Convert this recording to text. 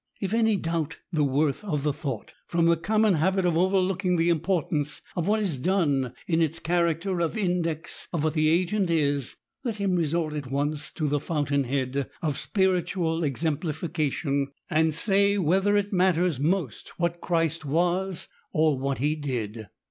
If any doubt the worth of the thought, from the common habit of overlooking the importance of what is done in its character of index of what the agent is, let him resort at once to the foun tain head of spiritual exemplification^ and say POWBB OF IDEAS IN THE SICK BOOM. 163 whether it matters most what Christ was or what he did.